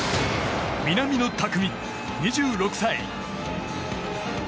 南野拓実、２６歳。